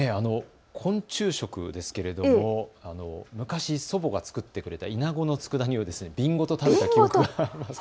昆虫食ですけれども昔、祖母が作ってくれたイナゴのつくだ煮を瓶ごと食べた記憶があります。